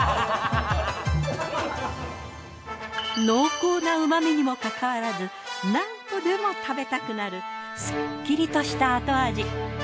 濃厚な旨みにもかかわらず何個でも食べたくなるすっきりとした後味。